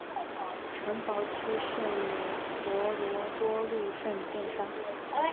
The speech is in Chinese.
城堡区圣伯多禄圣殿上。